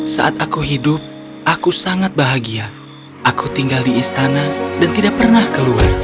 saat aku hidup aku sangat bahagia aku tinggal di istana dan tidak pernah keluar